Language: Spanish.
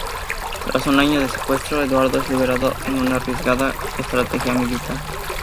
Tras un año de secuestro, Eduardo es liberado en una arriesgada estrategia militar.